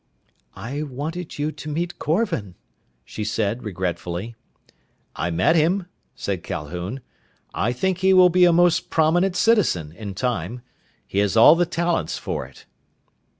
"I wanted you to meet Korvan," she said regretfully. "I met him," said Calhoun. "I think he will be a most prominent citizen, in time. He has all the talents for it."